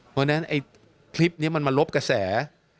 เพราะฉะนั้นคลิปนี้มาลบกระแส